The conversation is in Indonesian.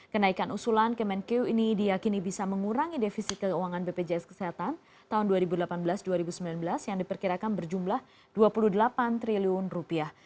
kenaikan usulan kemenkeu ini diakini bisa mengurangi defisit keuangan bpjs kesehatan tahun dua ribu delapan belas dua ribu sembilan belas yang diperkirakan berjumlah dua puluh delapan triliun rupiah